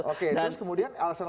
oke terus kemudian alasan